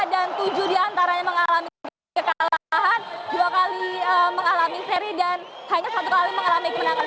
dan tujuh diantaranya mengalami kekalahan dua kali mengalami seri dan hanya satu kali mengalami kemenangan